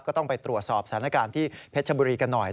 ก็ต้องไปตรวจสอบสถานการณ์ที่เพชรชบุรีกันหน่อย